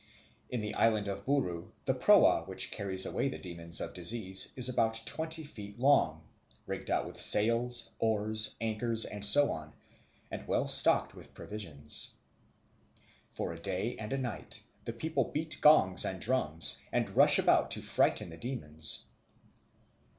In the island of Buru the proa which carries away the demons of disease is about twenty feet long, rigged out with sails, oars, anchor, and so on, and well stocked with provisions. For a day and a night the people beat gongs and drums, and rush about to frighten the demons.